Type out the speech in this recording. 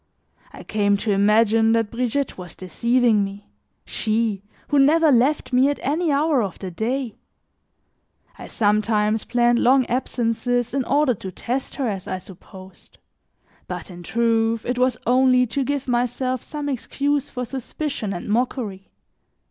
I came to imagine that Brigitte was deceiving me, she, who never left me at any hour of the day; I sometimes planned long absences in order to test her, as I supposed; but in truth, it was only to give myself some excuse for suspicion and mockery.